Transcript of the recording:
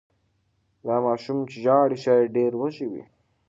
دا ماشوم چې ژاړي شاید ډېر وږی وي.